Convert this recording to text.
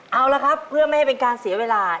เอาละครับเพื่อไม่ให้เป็นการเสียเวลา